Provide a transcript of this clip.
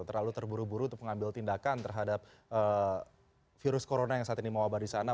terlalu terburu buru untuk mengambil tindakan terhadap virus corona yang saat ini mewabah di sana